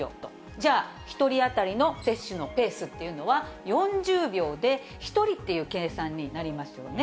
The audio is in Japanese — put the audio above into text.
じゃあ、１人当たりの接種のペースというのは、４０秒で、１人っていう計算になりますよね。